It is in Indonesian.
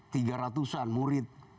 tiga ratusan murid